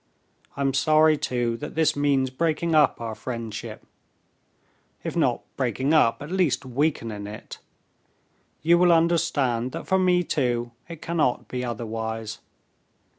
I'm sorry, too, that this means breaking up our friendship—if not breaking up, at least weakening it. You will understand that for me, too, it cannot be otherwise."